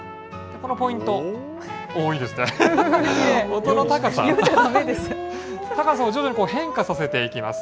このポイント、音の高さ、高さを徐々に変化させていきます。